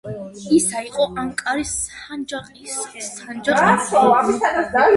ისა იყო ანკარის სანჯაყის სანჯაყ-ბეი.